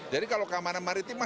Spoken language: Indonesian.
jadi kalau keamanan maritim